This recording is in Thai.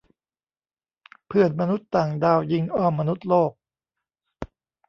เพื่อนมนุษย์ต่างดาวยิงอ้อมมนุษย์โลก !